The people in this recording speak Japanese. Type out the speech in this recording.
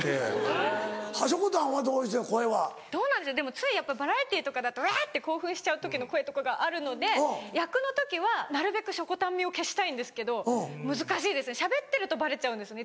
ついやっぱバラエティーとかだとわって興奮しちゃう時の声とかがあるので役の時はなるべくしょこたん味を消したいんですけど難しいですねしゃべってるとバレちゃうんですね。